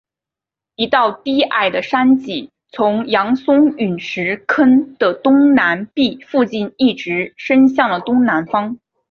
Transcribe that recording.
一道低矮的山脊从扬松陨石坑的东南壁附近一直伸向了东南方。